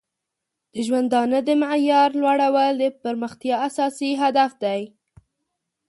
د ژوندانه د معیار لوړول د پرمختیا اساسي هدف دی.